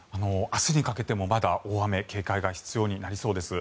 明日にかけてもまだ大雨に警戒が必要になりそうです。